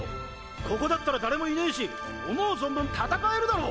ココだったら誰もいねぇし思う存分戦えるだろ！